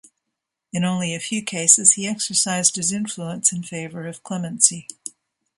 In only a few cases he exercised his influence in favour of clemency.